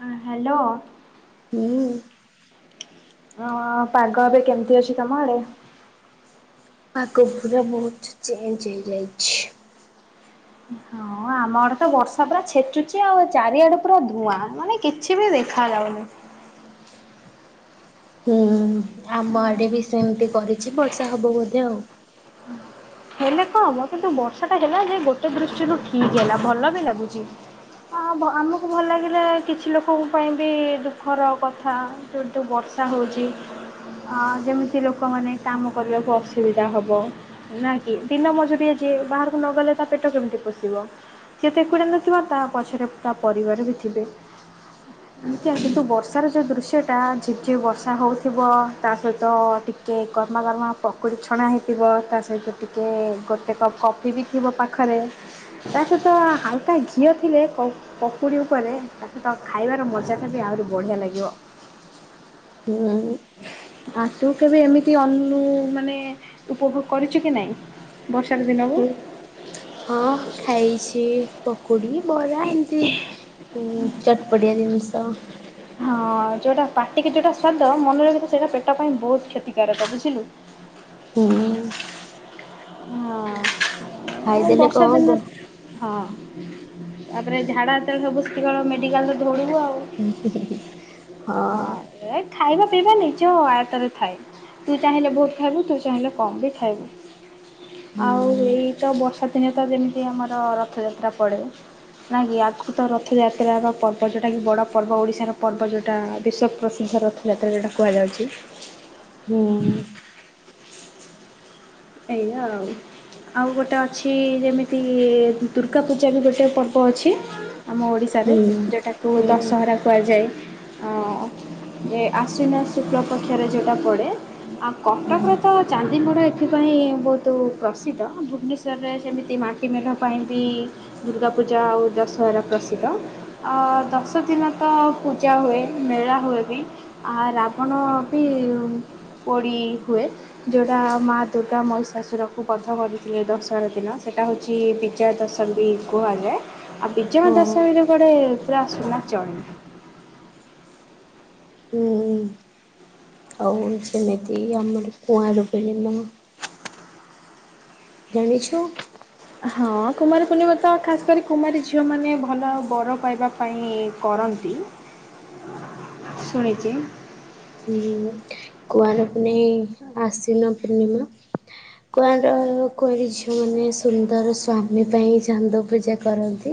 ହଁ ହାଲୋ। ହୁଁ। ଅ ପାଗ ଏବେ କେମତି ଅଛି ତମ ଆଡେ? ପାଗ ପୁରା ବହୁତ ଚେଞ୍ଜ ହେଇଯାଇଛି। ହଁ ଆ ଆମ ଆଡେ ତ ବର୍ଷା ପୁରା ଛେଚୁଛି ଆଉ, ଚାରିଆଡେ ପୁରା ଧୂଆଁ ମାନେ କିଛି ବି ଦେଖା ଯାଉନି। ହ ହୁଁ ଆମ ଆଡେ ବି ସେମତି କରିଛି ବର୍ଷା ହବ ବୋଧେ ଆଉ। ହେଲେ କଣ ହବ କିନ୍ତୁ ବର୍ଷାଟା ହେଲା ଯେ ଗୋଟେ ଦୃଷ୍ଟିରୁ ଠିକ ହେଲା ଭଲ ବି ଲାଗୁଛି। କଁ ହବ ଆମକୁ ଭଲ ଲାଗିଲେ କିଛି ଲୋକଙ୍କ ପାଇଁ ବି ଦୁଃଖର କଥା, ଯେତୁ ବର୍ଷ ର୍ଷା ହଉଚି। ଅ ଯେମିତି ଲୋକମାନେ କାମ କରିବାକୁ ଅସୁବିଧା ହେବେ ନା କି। ଦିନ ମଜୁରିଆ ଯିଏ ବାହାରକୁ ନଗଲେ ତା ପେଟ କେମିତି ପୋଷିବ? ସିଏ ତ ଏକୁଟିଆ ନଥିବ ତା ପଛରେ ପରିବାର ବି ଥିବେ। ନିଶ୍ଚୟ କିନ୍ତୁ ବର୍ଷାର ଯୋଉ ଦୃଶ୍ୟ ଟା ଝିପ ଝିପ ବର୍ଷା ହଉଥିବ ତା ସହିତ ଟି ଟିକେ ଗର୍ମା ଗର୍ମା ପକୁଡ଼ି ଛଣା ହେଇଥିବ, ତା ସହିତ ଟି କେ ଗୋଟେ କପ୍ କଫି ବି ଥିବ ପାଖରେ। ତା ସହିତ ହାଲକା ଘିଅ ଥିଲେ ପ ପକୁଡି ଉପରେ ତା ସହିତ ଖାଇବାର ମଜା ଖାଲି ଆଉ ଆହୁରି ବଢ଼ିଆ ଲାଗିବ। ହୁଁ ଆ ତୁ କେବେ ଏମିତି ଆ ମୁଁ ମାନେ ଉପଭୋଗ କରିଛୁ କି ନାଇଁ? ହୁଁ -ହଁ ଖାଇଛି ପକୁଡି। ବରା ଏମିତି ଚଟପଟିଆ ଜିନିଷ ହଁ ଯୋଉଟା ପାଟିକି ଯୋଉଟା ସ୍ଵାଦ ମନେ ରଖ ତୁ, ସେଇଟା ପେଟ ପାଇଁ ବହୁତ କ୍ଷତିକାରକ ବୁଝିଲୁ। ହୁଁ ଏ ଖାଇଦେଲେ ବର୍ଷା କଣ ଦିନ ହବ। ହଁ। ତାପରେ ଝାଡା ଯେତେବେଳେ ହବୁ ସେତିକି ବେଳେ ମେଡିକାଲ ଧୌଳିବୁ ଆଉ। ଆ ସେ ହଁ ଏ ଖାଇବା ସେଇଟା ନିଜ ଆୟତରେ ଥାଏ ତୁ ଚାହିଁଲେ ବହୁତ ଖାଇବୁ ତୁ ଚାହିଁଲେ କମ ବି ଖାଇବୁ। ଆଉ ଏଇ ହୁଁ ତ ବର୍ଷା ଦିନେ ତ ଯେମିତି ଆମର ରଥଯାତ୍ରା ପଡ଼େ। ନାଇ କି ଆଗରୁ ତ ରଥଯାତ୍ରାର ପର୍ବ ଯୋଉଟା କି ବଡ ପର୍ବ ଓଡିଶାର ପର୍ବ ଯୋଉ ଏଇଟା ବିଶ୍ଵପ୍ରସିଦ୍ଧ ରଥଯାତ୍ରା ଯୋଉଟା କୁହାଯାଉଛି। ହୁଁ। ଏଇଆ ଆଉ। ଆଉ ଗୋଟେ ଅଛି ଯେମିତି ଦୁର୍ଗା ପୂଜା ବି ଗୋଟେ ପର୍ବ ଅଛି। ଆମ ଓଡ଼ିଶାରେ ହୁଁ ଯୋଉଟାକୁ ହୁଁ ଦଶହରା କୁହାଯାଏ। ଯେ ଆଶ୍ୱିନ ଶୁକ୍ଲ ପକ୍ଷରେ ଯୋଉଟା ପଡେ ଆଉ କଟକରେ ତ ଚାନ୍ଦି ମେଢ଼ ଏ ଏଥିପାଇଁ ବହୁତ ପ୍ରସିଦ୍ଧ। ଭୁବନେଶ୍ୱରରେ ସେମିତି ମାଟି ମେଘା ପାଇଁ ବି ଦୁର୍ଗାପୂ ପୂଜା ଆଉ ଦଶହରା ପ୍ରସିଦ୍ଧ। ଆ ଦଶ ଦିନ ତ ପୂଜା ହୁଏ ମେଳା ହୁଏ। ଆ ରାବଣ ବି ପୋଡି ହୁଏ ଯୋଉଟା ମା ଦୁର୍ଗା ମହିଶାଶୁରକୁ ବଧ କରିଥିଲେ ଦଶହରା ଦିନ ସେଇଟା ହେଉଛି ବିଜୟା ଦଶମୀ କୁହାଯା ଆଉ ବିଜୟ ହଁ। ଦଶମୀରେ କୁଆଡେ ପୁରା [unintelligible] ହଉ ସେମିତି ଆମର କୁଆଡୁ [unintelligible] ଜାଣିଛୁ ହଁ କୁମାରପୂର୍ଣ୍ଣିମା ତ ଖାସ କରି କୁମାରୀ ଝିଅ ମାନେ ଭଲ ବର ପାଇବା ପାଇଁ କ ରନ୍ତି ଶୁଣିଚି। ହୁଁ କୁଆଁର ପନେଇଁ ଆଶ୍ଵିନ ପୂର୍ଣ୍ଣିମା। କୁଆଁର କୁଆଁରୀ ଝିଅମାନେ ସୁନ୍ଦର ସ୍ଵାମୀ ପାଇଁ ଚାନ୍ଦ ପୂଜା କରନ୍ତି।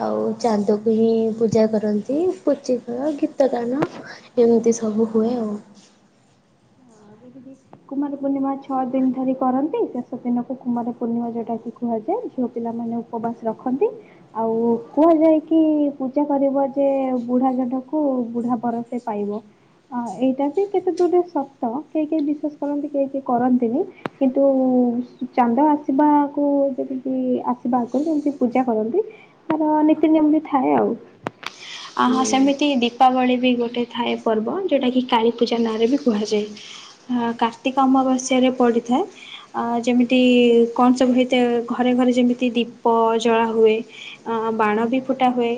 ଆଉ ଚାନ୍ଦକୁ ହିଁ ପୂଜା କରନ୍ତି। ପୁଚି ଖେଳ ଗୀତ ଗାନ ଏମିତି ସବୁ ସବୁ ହୁଏ ଆଉ। ହଁ ଯେମିତି କୁମାର ପୂର୍ଣ୍ଣିମା ଛଅ ଦିନ ଧରି କରନ୍ତି, ଶେଷ ଦିନକୁ କୁମାର ପୂର୍ଣ୍ଣିମା ଯୋଉଟା କି କୁହାଯାଏ। ଝିଅ ପିଲାମାନେ ଉପବାସ ରଖନ୍ତି ଆଉ କୁହାଯାଏ କି, ପୂଜା କରିବ ଯେ ବୁଢା ଜହ୍ନକୁ ବୁଢା ବର ସେ ପାଇବ ଏଇଟା ବି କେତେ ଦୁରରେ ସତ କେହି କେହି ବିଶ୍ୱାସ କରନ୍ତି କେହି କେହି କରନ୍ତିନି କିନ୍ତୁ ଚାନ୍ଦ ଆସିବାକୁ ଯଦି କି ଆ ବାକୁ ଯେମିତି ପୂଜା କରନ୍ତି ତାର ନୀତି ନିୟମତି ଥାଏ ଆଉ। ଆ ହୁଁ ହା ସେମିତି ଦୀପାବଳି ବି ଗୋଟେ ଥାଏ ପର୍ବ ଯୋଉଟାକି କାଳୀପୂଜା ନାଁରେ ବି କୁହାଯାଏ। ହଁ କ କାର୍ତ୍ତିକ ଅମାବାସ୍ୟାରେ ପଡ଼ିଥାଏ ।ଯେମିତି କଣ ସବୁ ହୋଇଥାଏ, ଘରେ ଘରେ ଯେମିତି ଦୀ ଦୀପ ଜଳା ହୁଏ, ବାଣ ବି ଫୁଟା ହୁଏ,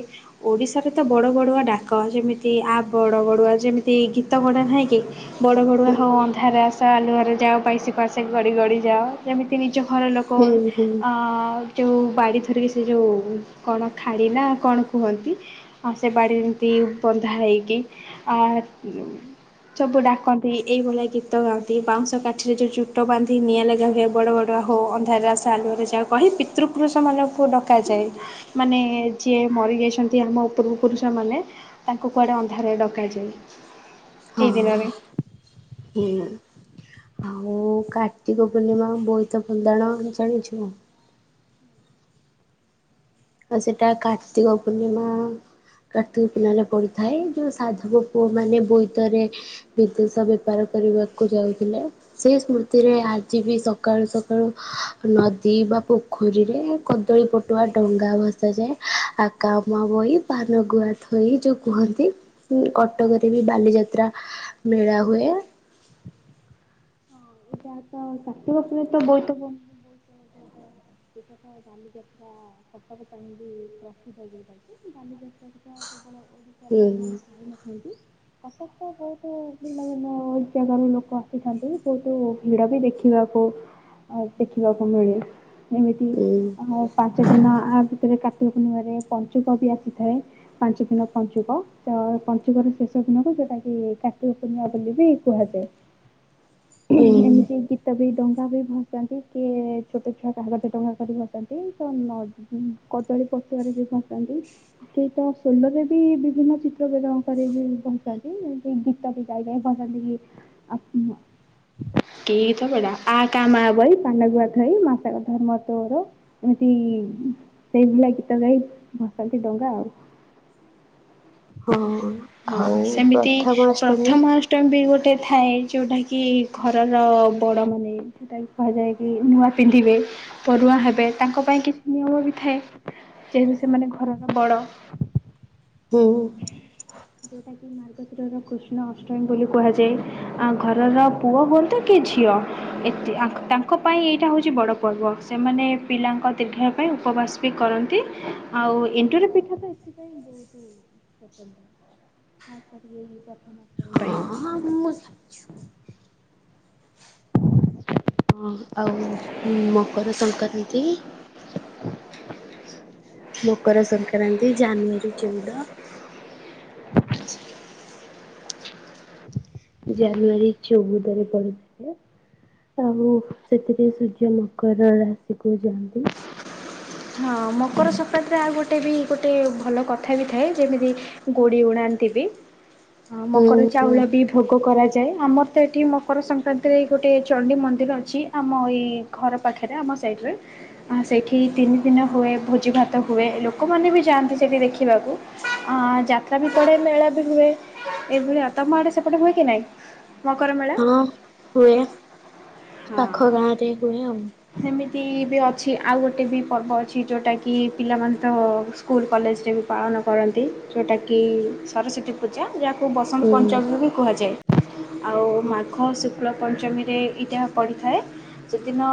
ଓଡ଼ିଶାରେ ତ ବଡ଼ ବଡ଼ୁଆ ଡାକ ଯେମିତି ଆ ବଡ଼ ବଡୁଆ ଯେମିତି ଗୀତ ଗୋଟେ ନାହିଁ କି ବଡ଼ ବଡୁଆ ହୁଁ ହୋ ଅନ୍ଧାରରେ ଆ ସ ଆଲୁଅରେ ଯାଅ ବାଇଶ ପାହାଚେ ଗଡ଼ି ଗଡ଼ି ଯାଅ। ଯେମିତି ନିଜ ଘର ଲୋକ, ହୁଁ। ଆଁ ଯୋଉ ବାଡ଼ି ଧରିକି ସେ ଯୋଉ କଣ ଖାଡି ନା କଣ କୁହନ୍ତି? ଆଉ ସେ ବାଡ଼ିରେ ଯେମିତି ବନ୍ଧା ହେଇକି ଆ ସବୁ ଡାକନ୍ତି, ଏଇଭଳିଆ ଗୀତ ଗ ବାଉଁଷ କାଠି ରେ ଯୋଉ ଚୋଟ ବାନ୍ଧି ନିଆଁ ଲଗା ହୁଏ, ବଡ ବଡ ହଉ ଅନ୍ଧାରରେ ଆଲୁରେ ଯାହା କହି ପିତୃ ପୂର୍ବ ପୁରୁଷମାନାନଙ୍କୁ ଡକାଯାଏ, ମାନେ ଯିଏ ମରିଯାଇଛନ୍ତି, ଆମ ପୂର୍ବପୁରୁଷମାନେ ତାଙ୍କୁ କୁଆଡ଼େ ଅନ୍ଧାର ଡକାଯାଏ। ଏଇ ଦିନରେ। ହଁ। ମୁଁ କାର୍ତ୍ତିକ ପୂର୍ଣ୍ଣିମା ବୋଇତ ପନ୍ଦାଣ ଜାଣିଛୁ? ଆଉ ସେଟା କାର୍ତ୍ତିକ ପୂର୍ଣ୍ଣିମା କାର୍ତ୍ତିକ ପିଲାରେ ପଡିଥାଏ, ଯୋଉ ସାଧବ ପୁଅ ମାନେ ବୋଇତରେ ବିଦେଶ ବେପାର କରିବାକୁ ଯାଉଥିଲେ, ସେ ସ୍ମୃତିରେ ଆଜି ବି ସକାଳୁ ସକାଳୁ ନଦୀ ପୋଖରୀରେ, କଦଳୀ ପଟୁଆ ଡଙ୍ଗା ଆ ଭସା ଯାଏ ଆକାମା ବହି, ପାନ ଗୁଆ ଥୋଇ ଯୋଉ କୁହନ୍ତି କଟ ରେ ବି ବାଲିଯାତ୍ରା ମେଳା ହୁଏ। ଚା [unintelligible] ବା ଉପରେ ତ ବହୁତ ହୁ ଟା ସେଟାତ ବାଲିଯାତ୍ରା କଟକ ପାଇଁ ବି ପ୍ରସ୍ତୁତ ହେପାରୁଛି, ବାଲି ଯାତ୍ରା ସେଟା କେବଳ ଓଡ଼ିଶା ହୁଁ ଲୋକମାନେ ପାଇନଥାନ୍ତି। ଆସ ତ ବହୁତ ଭିନ୍ନ ଭିନ୍ନ ଜାଗାରୁ ଲୋକ ଆସିଛନ୍ତି, ବହୁତ ଭିଡ ବି ଦେଖିବାକୁ ଦେଖିବାକୁ ମିଳେ ଏମିତି ହୁଁ ପାଞ୍ଚ ଦିନ ଆ ଭିତରେ କାଟି ଣିରେ ପଞ୍ଚୁକ ବି ଆସିଥାଏ, ପାଞ୍ଚ ଦିନ ପଞ୍ଚୁକ ତ ପଞ୍ଚୁକର ଶେଷ ଦିନକୁ ଟା କି କାର୍ତ୍ତିକ ପୂର୍ଣ୍ମା ବୋଲି ବି କୁହାଯାଏ। ହୁଁ। ଏମିତି ଗୀତ ବି ଦଉ ଆ ବି ବସନ୍ତି କିଏ ଛୋଟ ଛୁଆ କା ହଜ ଟଙ୍କା କରି ବସନ୍ତି, ତ କଦଳୀ ଯଉ ଖସନ୍ତି ସେଇ ତ ସୋଲୋ ରେ ବିଭିନ୍ନ ଚିତ୍ର ବର କରରେ ବଛନ୍ତି, ଗୀତ ବି ଗାଇକ [unintelligible] ଆତ୍ମ କେ ଡା ଆ କା ମା ବଇ ପାନଗୁଆ ଧୋଇ ମାସକ ଧର୍ମ ତୋର ଏମିତି ସେଇ ଭଳିଆ ଗୀତ ଗାଇ ଭସନ୍ତି ଡଙ୍ଗା ଆଉ। ହଁ ହଁ ଆଉ ସେମିତି ପ୍ରଥମାଷ୍ଟମୀ ପ୍ରଥମାଷ୍ଟମୀ ବି ଗୋଟେ ଥାଏ ଯୋଉଟା କି ଘରର ବଡ଼ମାନେ ଯେଉଁଟାକି କୁହାଯାଏ, କି ନୂଆ ପିନ୍ଧିବେ ବରୁଆ ହେବେ ତାଙ୍କ ପାଇଁ କିଛି ନିୟମ ବି ଥାଏ ଯେହେତୁ ସେମାନେ ଘରର ବଡ ହୁଁ ଦେଉତା କି ମାର କତ୍ରର କୃଷ୍ଣ ଅଷ୍ଟମୀ ବୋଲି କୁହାଯାଏ, ଆ ଘରର ପୁଅ ହୁଅନ୍ତୁ କି ଝିଅ ଏତି ତାଙ୍କ ପାଇଁ ଏଇଟା ହେଉଛି, ବଡ଼ ପର୍ବ ସେମାନେ ପିଲା ଙ୍କ ଦୀର୍ଘ ପାଇଁ ଉପବାସ ବି କରନ୍ତି ଆଉ ଏନ୍ ପିଠା ତ ଏଥିପାଇଁ ବହୁତ ପସ ତାପରେ ପ୍ରଥମ [unintelligible] ପାଈଁ। ହଁ ମୁଁ ହ ଆଉ ମକର ସଂକ୍ରାନ୍ତି ମକର ସଂକ୍ରାନ୍ତି ଜାନୁଆରୀ ଚଉଦ [inaudible] ଜାନୁଆରୀ ଚଉବଦାର ପଡ଼ି ଥିଲେ। ଆଉ ସେଥିରେ ସୂର୍ଯ୍ୟ ମକର ରାଶି କ ଯାଆନ୍ତି। ହଁ ମକର ସଂକ୍ରାନ୍ତିରେ ଆଉ ଗୋଟେ ବି ଗୋଟେ ଭଲ କଥା ବି ଥାଏ, ଯେମିତି ଗୋଡ଼ି ଉଣାନ୍ତି ବି ମକର ଚାଉଳ ହୁଁ ବି ଭୋଗ କରାଯା ଯାଏ ଆମର ତ ଏଠି ମକର ସଂକ୍ରାନ୍ତିରେ ଗୋଟେ ଚଣ୍ଡିୀ ମନ୍ଦିର ଅଛି, ଆମ ଏଇ ଘର ପାଖରେ ଆମ ଇଡ ରେ ସେଠି ଭିନ୍ନ ହୁଏ ଭୋଜି ଭାତ ହୁଏ, ଲୋକମାନେ ବି ଯାଆନ୍ତି ସେଇଠି ଦେଖିବାକୁ ଅ ଯାତ୍ରା ବି ପଢେ ମେଳା ବି ହୁଏ, ଏଇଭଳିଆ ତମ ଆଡେ ସେପଟେ ହୁଏ, କି ନାଇଁ? ମକର ମେଳା। ହଁ ହୁଏ ପାଖ ଗାଁ ରେହୁଏ ଆଉ। ସେମି ବି ଅଛି ଆଉ ଗୋଟେ ବି ପର୍ବ ଅଛି ଯେଉଁଟାକି ପିଲାମାନେ ତ ସ୍କୁଲ କଲେଜରେ ବି ପାଳନ କରନ୍ତି ଯଉଁଟା କିି ସରସ୍ଵତୀ ପୂଜା ଯା କୁ ବସନ୍ତ ହୁଁ ପଞ୍ଚମୀ ବି କୁହାଯାଏ ।ଆଉ ମାଘ ଶୁକ୍ଳ ପଞ୍ଚମୀ ଇତିହାସ ପଢ଼ିଥାଏ ସେଦିନ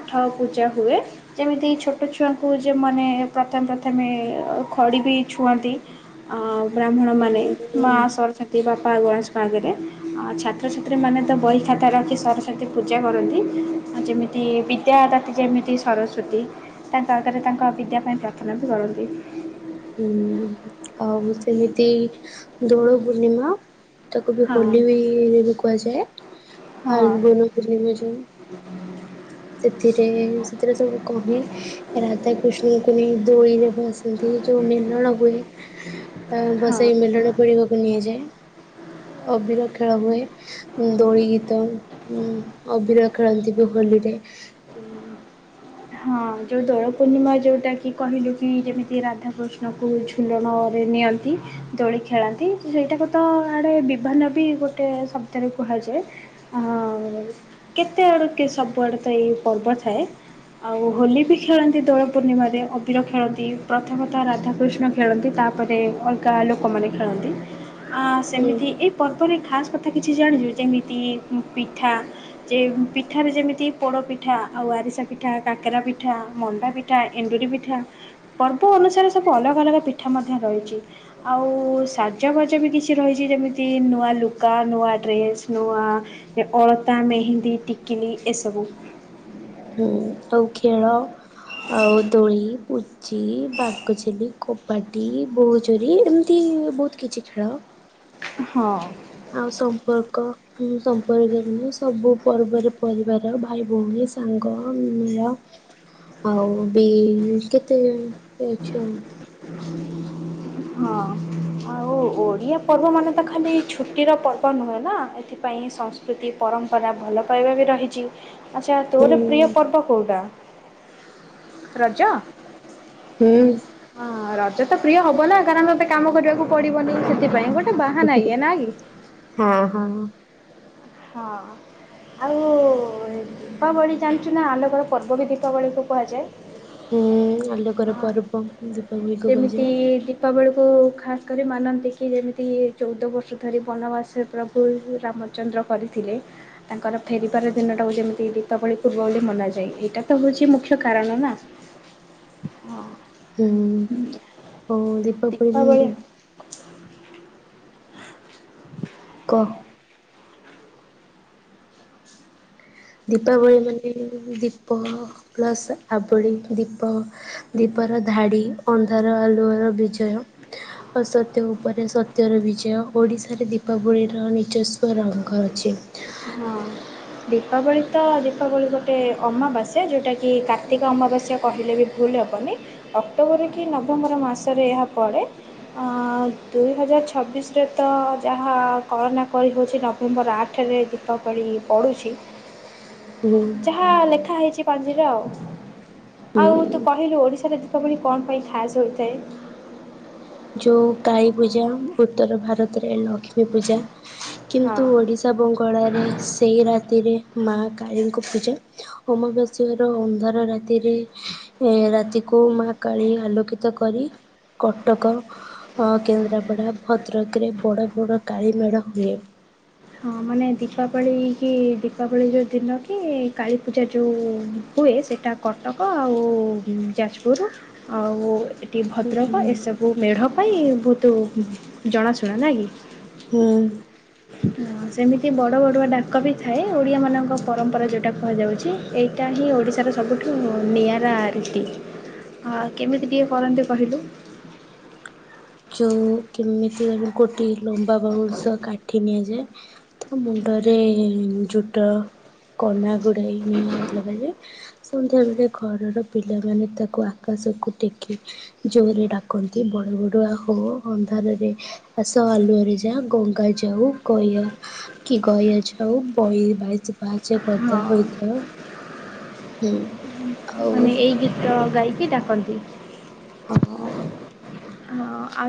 ଆଠ ପୂଜା ହୁଏ ଯେମିତି ଛୋଟ ଛୁଆଙ୍କୁ ଯେ ମାନେ ପ୍ରଥମ ପ୍ରଥମ ପ୍ରଥମେ ଖଡ଼ି ବି ଛୁଅନ୍ତି ଆଉ ବ୍ରାହ୍ମଣ ମାନେ ମା ହୁଁ ସରସାତୀ ବାପା ଗଣେଶଙ୍କ ଆଗରେ। ଆଉ ଛାତ୍ରଛାତ୍ରୀମାନେ ତ ବହି ଖତା ରଖି ସରସ୍ଵତୀ ପୂଜା କରନ୍ତି। ବିଦ୍ୟାଦାତି ଯେମିତି ସରସ୍ଵତୀ ତାଙ୍କ ଆଗରେ ତାଙ୍କ ବିଦ୍ୟା ପାଇଁ ପ୍ରାର୍ଥନା ବି କରନ୍ତି। [inaudible] ହଁ। ସେମିତି ଦୋଳ ପୂର୍ଣ୍ଣିମା ତାକୁ ବି ହଁ ହୋଲିରେ ବି କୁହାଯାଏ। ହଁ। ହୋଲି ହୁଏ ଯଉ ସେଥିରେ ସେଥିରେ ସବୁ କହ ରାଧା କୃଷ୍ଣଙ୍କୁ ନେଇ ଦୋଳିରେ ଫସନ୍ତି ଯୋଉ ମେଲଣ ହୁଏ। ଅ ହଁ ବସେଇ ମିଳନ ପଢିବାକୁ ନିଆଯାଏ। ଅବିର ଖେଳ ହୁଏ ଦୋଳି ଗୀତ ଉଁ ଅଭିନୟ ଖେଳନ୍ତି ବି ହୋଲିରେ। ହଁ ଯୋଉ ଦୋଳ ପୂର୍ଣ୍ଣିମା ଯୋଉଟା କି କହିଲୁ କି ଯେମିତି ରାଧାକୃଷ୍ଣ କ ଝୁଲଣରେ ନିଅନ୍ତି ଦୋଳି ଖେଳାନ୍ତି ସେଇଟାକୁ ତ ଆଡ଼େ ବିଭାନ ବି ଗୋଟେ ଶବ୍ଦରେ କୁହାଯାଉଛି। ଆ କେତେ ଆଡୁ ସବୁଆଡେ ତ ଏଇ ପର୍ବ ଥାଏ। ଆଉ ହୋଲି ବି ଖେଳନ୍ତି ଦୋଳ ପୂର୍ଣ୍ଣିମା ରେ ଅବିର ଖେଳନ୍ତି, ପ୍ରଥମେ ତ ରାଧା କୃଷ୍ଣ ଖେଳନ୍ତି। ତାପରେ ଅଲଗା ଲୋକମାନେ ଖେଳନ୍ତି ଆ ସେମିତି ଏଇ ହୁଁ ପର୍ବରେ ଖାସ୍ କ ଥା କିଛି ଜାଣିଛୁ ଯେମିତି ପିଠା ଯେ ପିଠାରେ ଯେମିତି ପୋଡ ପିଠା ଆଉ ଆରିସା ପିଠା ପିଠା, କାକେରା ପିଠା, ମଣ୍ଡା ପିଠା, ଏଣ୍ଡୁରି ପିଠା ପର୍ବ ଅନୁସାରେ ସବୁ ଅଲଗା ଅଲଗା ପିଠା ମଧ୍ୟ ରହିଛି ଆଉ ସାଜବାଜ ବି କିଛି ରହିଛି। ଯେମିତି ନୂଆ ଲୁଗା, ନୂଆ ଡ୍ରେସ୍, ନୂଆ ଅଳତା, ମେହେନ୍ଦୀ, ଟିକିଲି ଏସବୁ। ହୁଁ ଆଉ ଖେଳ ଆଉ ଦୋଳି ପୁ କ ଜି ବାଗଚେଲି, କବାଡ଼ି, ବୋହୁଚୁରୀ ଏମିତି ବହୁତ କିଛି ଖେଳ। ହଁ। ଆଉ ସମ୍ପର୍କ ସମ୍ପର୍କୀୟ ସବୁ ପର୍ବରେ ପରିବାର ଭାଇ ଭଉଣୀ। ସାଙ୍ଗ ମର ଆଉ ବି କେତେ ଜଣ ଆଛ ଆଉ। [inaudible] ହଁ ଆଉ ଓଡ଼ିଆ ପର୍ବ ମାନେ ତ ଖାଲି ଛୁଟିର ପର୍ବ ନୁହେଁ ନା ଏଥିପାଇଁ ପାଇଁ ସଂସ୍କୃତି ପରମ୍ପରା ଭଲ ପାଇବା ବି ରହିଛି। ଆଚ୍ଛା ହୁଁ ତୋର ପ୍ରିୟ ପର୍ବ କେଉଁଟା ରଜ? ହୁଁ। ହଁ ରଜ ତ ପ୍ରିୟ ହବ ନା କାରଣ ତତେ କାମ କରିବାକୁ ପଡିବନି ସେଥିପାଇଁ ଗୋଟେ ବାହାନା ଇଏ ନା କି? ହଁ ହଁ। ହଁ। ଆଉ ଦୀପାବଳି ଜାଣିଛୁ ନା ଆଲୋକର ପର୍ବ ବି ଦୀପାବଳିକୁ କୁହାଯାଏ। ହୁଁ ଆଲୋକର ପର୍ବ। ଦୀପାବଳିକୁ ଯେମିତି କୁହାଯାଏ ଦୀପାବଳକୁ ଖାସ କରୀ ବି ମାନନ୍ତି କି ଯେମିତି ଚଉଦ ବର୍ଷ ଧରି ବନବାସ ପ୍ରଭୁ ରାମଚନ୍ଦ୍ର କରିଥିଲେ। ତାଙ୍କର ଫେରିବାର ଦିନଟାକୁ ଯେମିତି ଦୀପାବଳି ପୂର୍ବ ବୋଲି ମନାଯାଏ ଏଇଟା ତ ହଉଛି ମୁଖ୍ୟ କାରଣ ନା । ହଁ । ହୁଁ ହଁ ଦୀପାବଳି । କ । ଦୀପାବଳି ମାନେ ଦୀପ ପ୍ଲସ ଆବଳି ଦୀପ । ଦୀପର ଧାଡି ଅ ଅନ୍ଧାର ଆଲୁଅର ବିଜୟ ଅସତ୍ୟ ଉପରେ ସତ୍ୟର ବିଜୟ ଓଡିଶାରେ ଦୀପାବଳି । ର ନିଜସ୍ୱ ରଙ୍ଗ ଅଛି । ହଁ ଦୀପାବଳି ତ ଦୀପାବଳି ଗୋଟେ ଅମାବାସ୍ୟା ଯୋଉ ଟା କି କାର୍ତ୍ତିକ ଅ ଅମାବାସ୍ୟା କହିଲେ ବି ଭୁଲ ହେବନି ଅକ୍ଟୋବର କି ନଭେମ୍ବର ମାସରେ ଏହା ପଡ଼େ । ଆ ଦୁଇ ହଜାର ଛବିଶ । ରେ ତ ଯାହା କଳନା କରି ହେଉଛି ନଭେମ୍ବର ଆଠରେ ଦୀପା ବଳି ପଡୁଛି ହୁଁ ଯାହା ଲେଖା ହେଇଛି ପାଞ୍ଜିରେ ଆଉ । ହୁଁ। ଆଉ ତୁ କହିଲୁ ଓଡିଶାରେ ଦୀପାବଳି କଣ ପାଇଁ ଖାସ ହୋଇଥାଏ । ଯୋଉ କାଳୀ ପୂଜା ଉତ୍ତର ଭାରତରେ ଲକ୍ଷ୍ମୀ । ଲକ୍ଷ୍ମୀ ପୂଜା କିନ୍ତୁ ହଁ ଓଡ଼ିଶା ବଙ୍ଗଳାରେ ସେଇ ରାତିରେ ମା । କାଳୀ ଙ୍କ ପୂଜା ଅମାବାସ୍ୟା ର ଅନ୍ଧାର ରାତ ରାତିରେ ରାତିକୁ ମା କାଳୀ ଆଲୋକିତ କରି । କଟକ ଅ କେନ୍ଦ୍ରାପଡ଼ା ଭଦ୍ରକରେ । ବଡ଼ ବଡ଼ କାଳିମେଢ଼ ହୁଏ । ହଁ ମାନେ ଦୀପାବଳି କି ଦୀପାବଳି ଯୋଉ ଦିନ କି କାଳୀପୂଜା ଯୋଉ । ହୁଏ ସେଇଟା କଟକ ଆଉ ଯାଜପୁର ଆଉ ଏ ଟି ହୁଁ ଭଦ୍ରକ ଏସବୁ ମେଢ଼ ପାଇଁ ବହୁତ ଜଣାଶୁଣା ନା କି । ହୁଁ । ହଁ ସେମିତି ବଡ଼ ବଡୁଆ ଡାକ ବି ଥାଏ ଓଡ଼ିଆ ମାନଙ୍କ ପରମ୍ପରା ଯୋଉଟା କୁହାଯାଉଛି ଏଇଟା । ହିଁ ଓଡ଼ିଶାର ସବୁଠୁ ନିଆରା ରୀତି । ଆ କେମିତି ଟିକେ କରନ୍ତି କହିଲୁ । ଯୋଉ କେମିତି ଗୋଟେ ଲମ୍ବା ବାଉଁଶ କାଠି ନିଆଯାଏ । ତା ମୁଣ୍ଡରେ ଝୋଟ କନା । ଗୁଡାଇ ନିଆ ଲଗାଯାଏ । ସନ୍ଧ୍ୟା ବେଳେ ଘରର ପିଲାମାନେ ତାକୁ ଆକାଶକୁ ଟେକି ଜୋରେ ଡାକନ୍ତି । ବଡ ବଡୁଆ । ହୋ ଅନ୍ଧାର ରେ ଆସ ଆଲୁଅ ରେ ଯା ଗଙ୍ଗା ଯାଉ ଗୟା କି ଗ ୟା ଜାଉ ବଇ ବାଇସି ପାହାଚେ ଗଦା ହଁ ହୋଇଥାଉ ହୁଁ । ମାନେ ଏଇ ଗୀତ ଗାଇକି ଡାକନ୍ତି । ହଁ । ହଁ ଆଉ ।